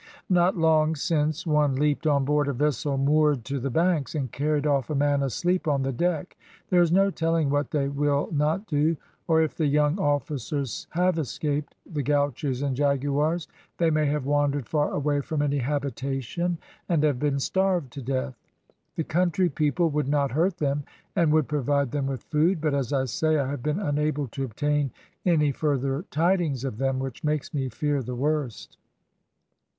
Not long since one leaped on board a vessel moored to the banks, and carried off a man asleep on the deck; there is no telling what they will not do, or, if the young officers have escaped the gauchos and jaguars, they may have wandered far away from any habitation, and have been starved to death. The country people would not hurt them, and would provide them with food, but as I say, I have been unable to obtain any further tidings of them, which makes me fear the worst."